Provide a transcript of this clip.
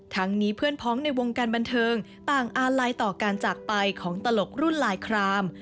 นี้เพื่อนพ้องในวงการบันเทิงต่างอาลัยต่อการจากไปของตลกรุ่นลายคราม